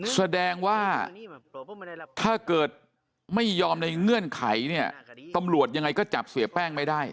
แสดงว่าถ้าเกิดไม่ยอมในเงื่อนไขเนี่ยตำรวจยังไงก็จับเสียแป้งไม่ได้